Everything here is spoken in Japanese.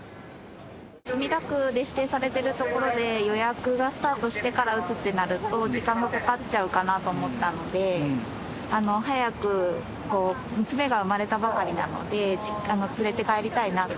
墨田区で指定されている所で予約がスタートしてから打つってなると、時間がかかっちゃうかなと思ったので、早く、娘が産まれたばかりなので連れて帰りたいなと。